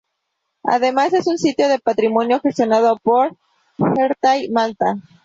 Además es un sitio de patrimonio gestionado por "Heritage Malta".